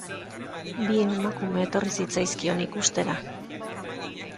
Bi emakume etorri zitzaizkion ikustera.